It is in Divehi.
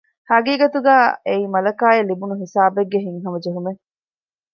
ޙަޤީޤަތުގައި އެއީ މަލަކާއަށް ލިބުނު ހިސާބެއްގެ ހިތްހަމަޖެހުމެއް